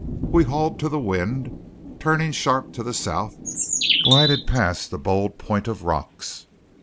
We hauled to the wind, turning sharp to the south, glided past the bold point of rocks.